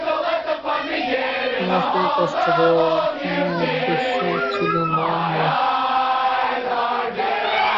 তোমকে কষ্ট দেয়ার কোনো উদ্দেশ্য ছিলো না আমার।